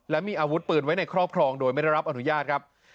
และมีอาวุธปืนไว้ในครอบครองโดยไม่ได้รับอนุญาตครับ